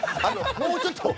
もうちょっと。